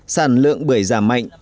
sản lượng bưởi giảm mạnh